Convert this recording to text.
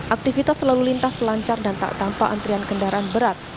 aktivitas selalu lintas lancar dan tak tampak antrian kendaraan berat